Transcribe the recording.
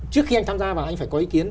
trước khi anh tham gia vào anh phải có ý kiến